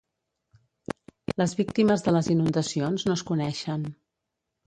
Les víctimes de les inundacions no es coneixen.